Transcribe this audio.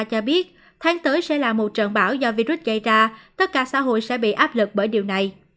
cho biết tháng tới sẽ là một trận bão do virus gây ra tất cả xã hội sẽ bị áp lực bởi điều này